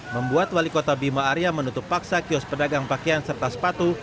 membuat wali kota bima arya menutup paksa kios pedagang pakaian serta sepatu